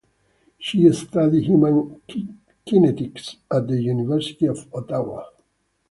She studied human kinetics at the University of Ottawa.